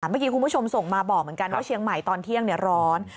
เมื่อกี้คุณผู้ชมส่งมาบอกเหมือนกันว่าเชียงใหม่ตอนเที่ยงร้อน